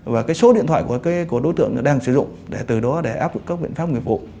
và cái số điện thoại của đối tượng đang sử dụng để từ đó để áp dụng các biện pháp nghiệp vụ